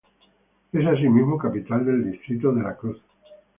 Es asimismo capital del distrito de La Cruz.